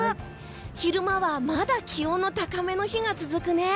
昼間はまだ気温が高めの日が続くね。